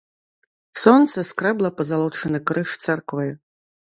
Сонца скрэбла пазалочаны крыж царквы.